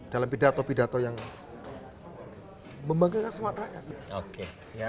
dalam pidato pidato yang membanggakan semua rakyat